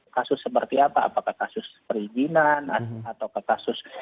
kasus seperti apa apakah kasus perizinan atau kekasus